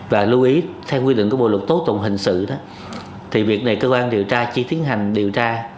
và lưu ý theo quy định của bộ luật tố tụng hình sự thì việc này cơ quan điều tra chỉ tiến hành điều tra